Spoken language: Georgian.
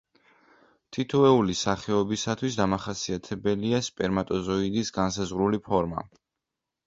თითოეული სახეობისათვის დამახასიათებელია სპერმატოზოიდის განსაზღვრული ფორმა.